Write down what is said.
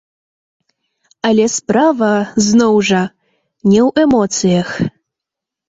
Але справа, зноў жа, не ў эмоцыях.